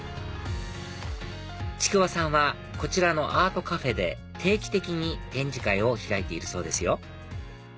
ちくわさんはこちらのアートカフェで定期的に展示会を開いているそうですよ